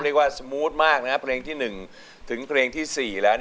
เรียกว่าสมูทมากนะครับเพลงที่๑ถึงเพลงที่๔แล้ว